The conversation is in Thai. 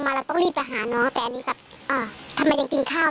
เห็นเห็นนี้เปิดเขาบอกว่า